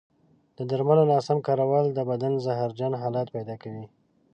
د درملو ناسم کارول د بدن زهرجن حالت پیدا کوي.